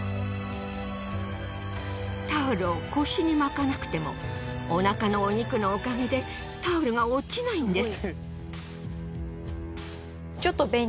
タオルを腰に巻かなくてもお腹のお肉のおかげでタオルが落ちないんです。